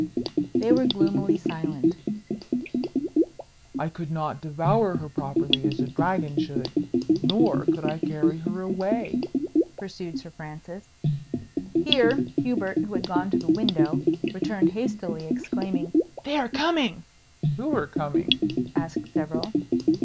They were gloomily silent. "I could not devour her properly as a dragon should. Nor could I carry her away," pursued Sir Francis. Here Hubert, who had gone to the window, returned hastily, exclaiming, "They are coming!" "Who are coming?" asked several.